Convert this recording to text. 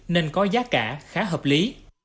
nên có giá cả khá hợp lý